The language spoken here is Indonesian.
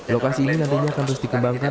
lokasi ini nantinya akan terus dikembangkan